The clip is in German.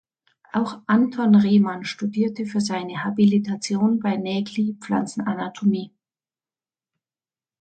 Auch Anton Rehmann studierte für seine Habilitation bei Nägeli Pflanzenanatomie.